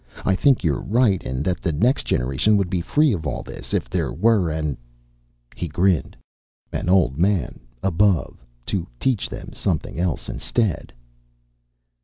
I think you're right that the next generation would be free of all this, if there were an " He grinned. " An Old Man Above to teach them something else instead."